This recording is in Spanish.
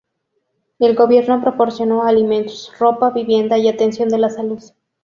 El gobierno proporcionó alimentos, ropa, vivienda y atención de la salud.